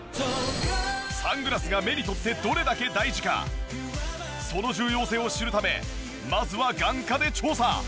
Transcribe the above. サングラスが目にとってどれだけ大事かその重要性を知るためまずは眼科で調査！